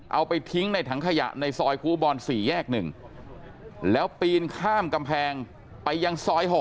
เอาไปทิ้งในถังขยะในซอยครูบอล๔แยก๑แล้วปีนข้ามกำแพงไปยังซอย๖